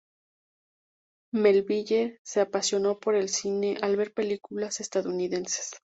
Melville se apasionó por el cine al ver películas estadounidenses.